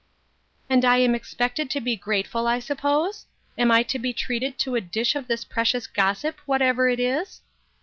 " And I am expected to be grateful, I suppose ? Am I to be treated to a dish of this precious gossip, whatever it is